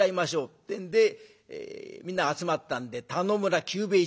ってんでみんな集まったんで田能村久兵衛一座。